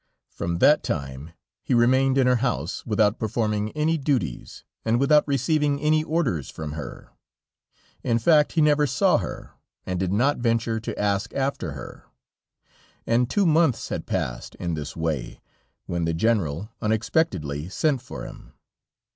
From that time he remained in her house without performing any duties, and without receiving any orders from her; in fact he never saw her, and did not venture to ask after her, and two months had passed in this way, when the General unexpectedly sent for him.